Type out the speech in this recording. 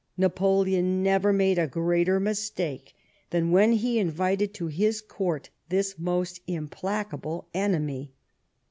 Napoleon never made a greater mistake than when he invited to his Court this most implacable enemy.